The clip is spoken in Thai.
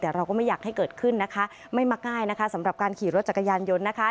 แต่เราก็ไม่อยากให้เกิดขึ้นนะคะไม่มักง่ายนะคะสำหรับการขี่รถจักรยานยนต์นะคะ